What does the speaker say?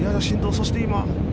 そして今。